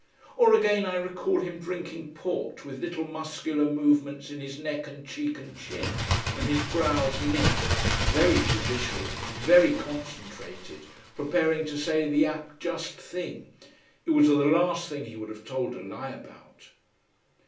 Or again I recall him drinking port with little muscular movements in his neck and cheek and chin and his brows knit very judicial, very concentrated, preparing to say the apt just thing; it was the last thing he would have told a lie about.